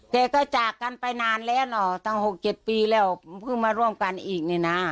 แกก็จากกันไปนานแล้วหรอตั้ง๖๗ปีแล้วเพิ่งมาร่วมกันอีกนี่นะ